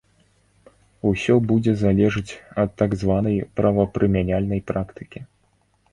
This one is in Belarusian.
Усё будзе залежыць ад так званай правапрымяняльнай практыкі.